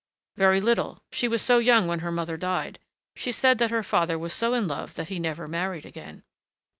"Very little. She was so young when her mother died. She said that the father was so in love that he never married again."